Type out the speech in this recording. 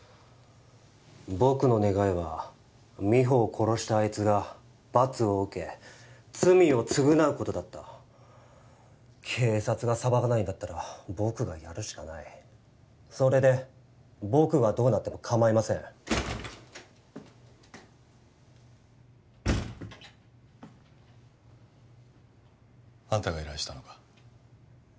僕の願いは美穂を殺したあいつが罰を受け罪を償うことだった警察が裁かないんだったら僕がやるしかないそれで僕がどうなっても構いませんあんたが依頼したのか？